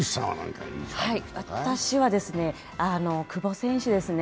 私は、久保選手ですね。